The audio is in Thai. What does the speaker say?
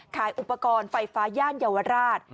ขายอุปกรณ์ไฟฟ้าย่านเยาวราช